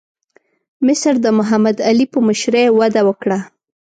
مصر د محمد علي په مشرۍ وده وکړه.